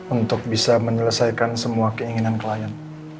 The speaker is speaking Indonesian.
untuk bisa menyelesaikan semua keinginan klien